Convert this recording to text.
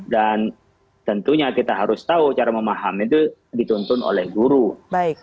dan tentunya kita harus tahu cara memahami itu dituntutkan